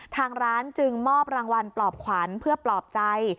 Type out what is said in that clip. ทางร้านจึงมอบรางวัลปลอบขวัญเพื่อปลอบใจ